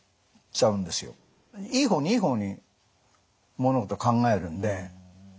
いい方にいい方に物事を考えるんで。